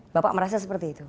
bapak merasa seperti itu